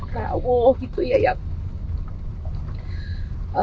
tahu gitu ya